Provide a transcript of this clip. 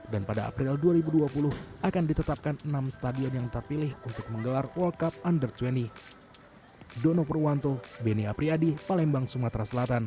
dan pada april dua ribu dua puluh akan ditetapkan enam stadion yang terpilih untuk menggelar world cup under dua puluh